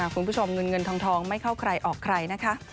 คุณผู้ชมเงินเงินทองไม่เข้าใครออกใครนะคะ